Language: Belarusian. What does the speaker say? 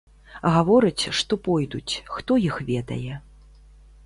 Гавораць, што пойдуць, хто іх ведае.